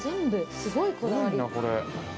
すごいこだわり。